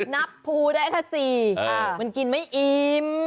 นับภูได้แค่สี่มันกินไม่อิ่ม